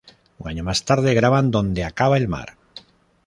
Un año más tarde graban "Donde acaba el mar".